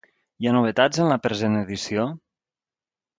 Hi ha novetats en la present edició?